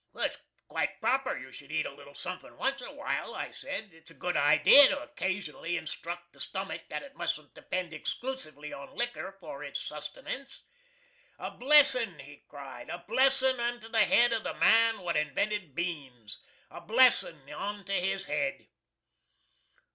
"It's quite proper you should eat a little suthin' once in a while," I said. "It's a good idee to occasionally instruct the stummick that it mustn't depend excloosively on licker for its sustainance." "A blessin'," he cried; "a blessin' onto the hed of the man what invented beans. A blessin' onto his hed!"